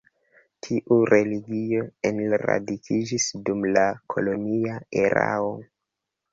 Tiu religio enradikiĝis dum la kolonia erao.